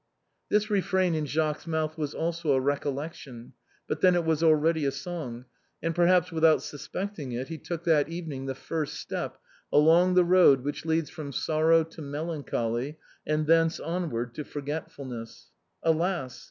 This refrain in Jacques's mouth was also a recollection, but then it was already a song, and perhaps without sus pecting it he took that evening the first step along the road which leads from sorrow to melancholy, and thence onward francine's muff. 245 to forgetfulness. Alas